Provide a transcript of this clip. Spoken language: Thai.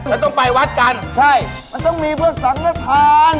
แล้วต้องไปวัดกันใช่มันต้องมีเพื่อสังฆฐาน